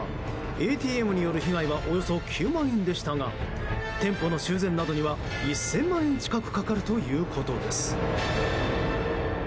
ＡＴＭによる被害はおよそ９万円でしたが店舗の修繕などには１０００万円近くかかるということです。